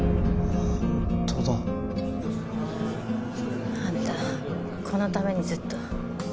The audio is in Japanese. あんたこのためにずっと。